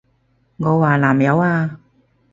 我話南柚啊！